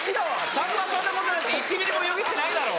さんまさんのことなんて１ミリもよぎってないだろ！